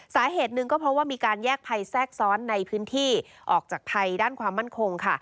สาเหตุหนึ่งก็เพราะว่ามีการแยกภัยแทรกซ้อนในพื้นที่ออกจากภัยด้านความมั่นคงค่ะ